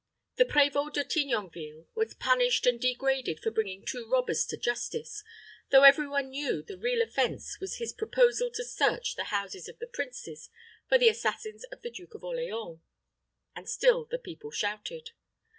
The Prévôt De Tignonville was punished and degraded for bringing two robbers to justice, though every one knew the real offense was his proposal to search the houses of the princes for the assassins of the Duke of Orleans; and still the people shouted.